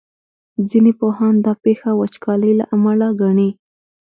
ځینې پوهان دا پېښه وچکالۍ له امله ګڼي.